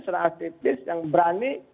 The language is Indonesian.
seorang artis yang berani